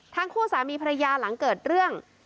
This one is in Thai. ทั้งคู่สามีภรรยาหลังเกิดเรื่อง